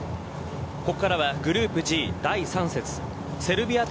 ここからはグループＧ第３節セルビア対